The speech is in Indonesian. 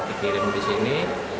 dikirim di sini